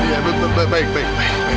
ya betul betul baik baik